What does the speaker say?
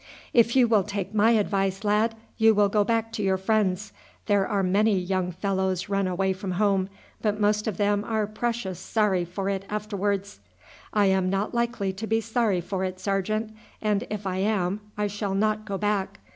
"If you will take my advice, lad, you will go back to your friends. There are many young fellows run away from home, but most of them are precious sorry for it afterwards." "I am not likely to be sorry for it, sergeant, and if I am I shall not go back.